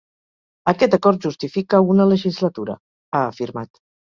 “Aquest acord justifica una legislatura”, ha afirmat.